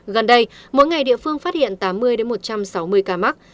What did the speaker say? gần đây mỗi ngày địa phương phát hiện tám mươi một trăm sáu mươi ca mắc